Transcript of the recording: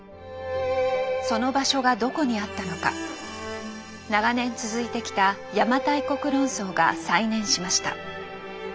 その場所がどこにあったのか長年続いてきた「邪馬台国論争」が再燃しました。